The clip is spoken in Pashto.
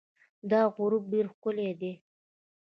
دا غروب ډېر ښکلی دی.